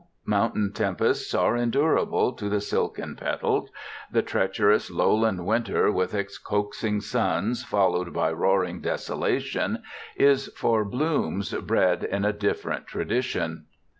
Mountain tempests are endurable to the silken petaled. The treacherous lowland winter, with its coaxing suns followed by roaring desolation, is for blooms bred in a different tradition.